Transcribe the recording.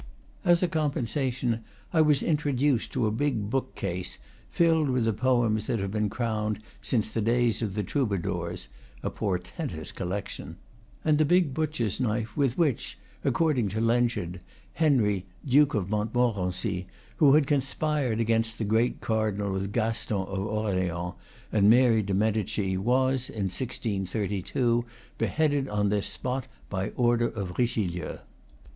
As a compensation I was introduced to a big bookcase, filled with the poems that have been crowned since the days of the trou badours (a portentous collection), and the big butcher's knife with which, according to the legend, Henry, Duke of Montmorency, who had conspired against the great cardinal with Gaston of Orleans and Mary de ?????? Medici, was, in 1632, beheaded on this spot by the order of Richelieu.